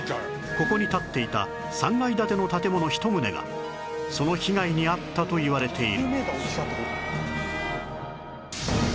ここに立っていた３階建ての建物１棟がその被害に遭ったといわれている